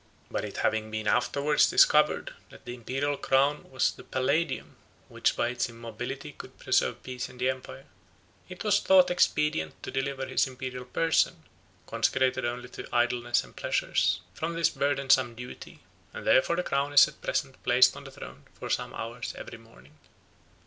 But it having been afterwards discovered, that the imperial crown was the palladium, which by its immobility could preserve peace in the empire, it was thought expedient to deliver his imperial person, consecrated only to idleness and pleasures, from this burthensome duty, and therefore the crown is at present placed on the throne for some hours every morning.